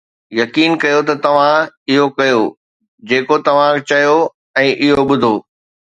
يقين ڪيو ته توهان اهو ڪيو جيڪو توهان چيو ۽ اهو ٻڌو